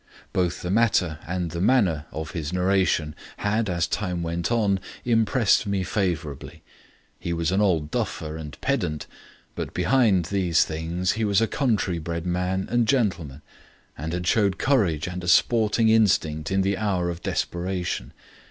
Both the matter and the manner of his narration had, as time went on, impressed me favourably. He was an old duffer and pedant, but behind these things he was a country bred man and gentleman, and had showed courage and a sporting instinct in the hour of desperation.